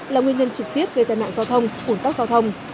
là nguyên nhân trực tiếp về tài nạn giao thông ủng tắc giao thông